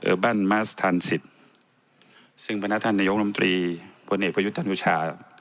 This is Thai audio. เออบันมาสทันสิตซึ่งพนักธันยกน้ำตรีบนเอกพยุทธนุชา